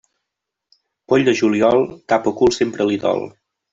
Poll de juliol, cap o cul sempre li dol.